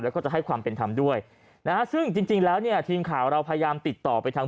แล้วก็จะให้ความเป็นธรรมด้วยนะฮะซึ่งจริงแล้วเนี่ยทีมข่าวเราพยายามติดต่อไปทาง